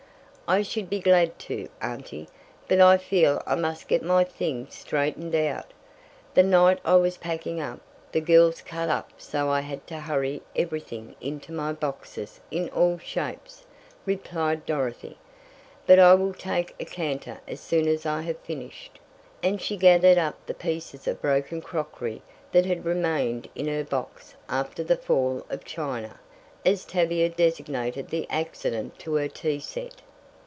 "I should be glad to, Auntie, but I feel I must get my things straightened out. The night I was packing up, the girls cut up so I had to hurry everything into my boxes in all shapes," replied Dorothy. "But I will take a canter as soon as I have finished," and she gathered up the pieces of broken crockery that had remained in her box after the "fall of China," as Tavia designated the accident to her tea set.